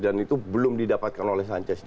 dan itu belum didapatkan oleh sanchez